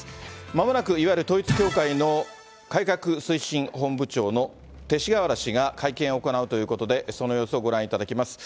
まもなく、いわゆる統一教会の改革推進本部長の勅使河原氏が会見を行うということで、その様子をご覧いただきます。